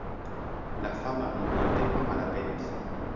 La fama biblioteko malaperis.